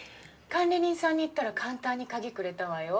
管理人さんに言ったら簡単に鍵くれたわよ。